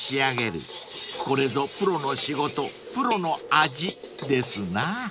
［これぞプロの仕事プロの味ですな］